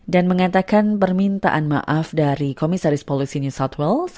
dan mengatakan permintaan maaf dari komisaris polisi new south wales